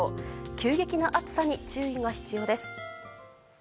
急激な暑さに注意が必要です。